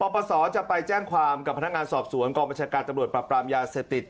ปปศจะไปแจ้งความกับพนักงานสอบสวนกองประชาการตำรวจปรับปรามยาเสพติด